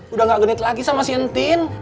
udah gak genit lagi sama si entin